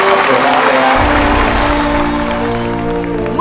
ขอบคุณครับ